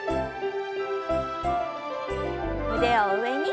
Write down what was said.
腕を上に。